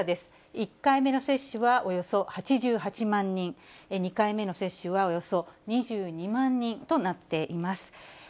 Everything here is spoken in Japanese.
１回目の接種はおよそ８８万人、２回目の接種はおよそ２２万人となっています。